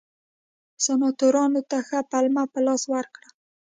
سناتورانو ته ښه پلمه په لاس ورکړه.